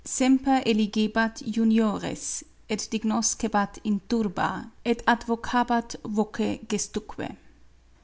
Semper eligebat juniores, et dignoscebat in turba, et advocabat voce gestuque.)